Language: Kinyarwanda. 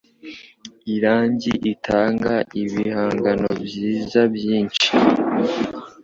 Irangi itanga ibihangano byiza byinshi